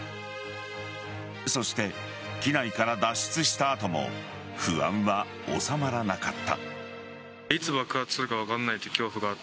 そして機内から脱出した後も不安は収まらなかった。